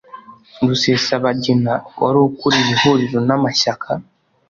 Rusesabagina wari ukuriye ihuriro n'amashyaka